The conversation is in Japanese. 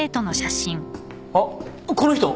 あっこの人！